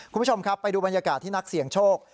คุณผู้ชมครับไปดูบรรยากาศที่นักเสี่ยงโชค